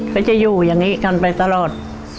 ก็จะอยู่อย่างนี้กันไปตลอด